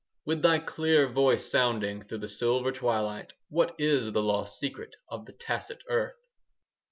With thy clear voice sounding 5 Through the silver twilight,— What is the lost secret Of the tacit earth?